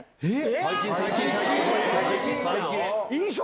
えっ？